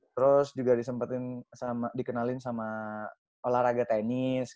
terus juga dikenalin sama olahraga tenis gitu